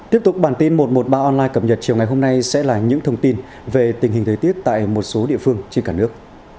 tiếp tục bản tin một trăm một mươi ba online cập nhật chiều ngày hôm nay sẽ là những thông tin về tình hình thời tiết tại một số địa phương trên cả nước